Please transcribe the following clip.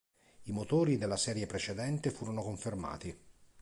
I motori della serie precedente furono confermati.